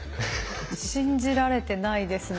信じられてないですね。